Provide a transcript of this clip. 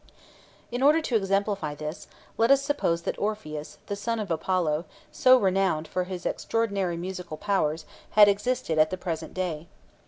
In order to exemplify this, let us suppose that Orpheus, the son of Apollo, so renowned for his extraordinary musical powers, had existed at the present day.